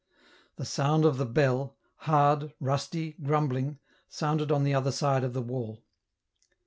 The sound of the bell, hard, rusty, grumbling, sounded on the other side of the wall.